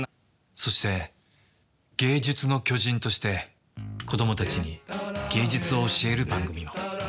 そして芸術の巨人として子供たちに芸術を教える番組も。